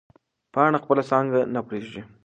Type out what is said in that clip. پاڼه خپله څانګه نه پرېږدي.